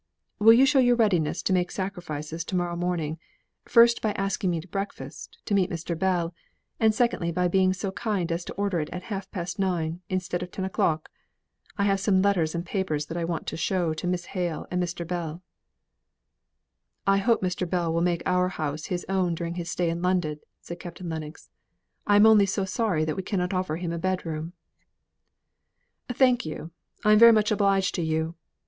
"Will you show your readiness to make sacrifices to morrow morning, first by asking me to breakfast, to meet Mr. Bell, and secondly, by being so kind as to order it at half past nine, instead of at ten o'clock? I have some letters and papers that I want to show to Miss Hale and Mr. Bell." "I hope Mr. Bell will make our house his own during his stay in London," said Captain Lennox. "I am only so sorry we cannot offer him a bedroom." "Thank you. I am much obliged to you.